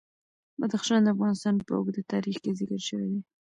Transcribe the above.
بدخشان د افغانستان په اوږده تاریخ کې ذکر شوی دی.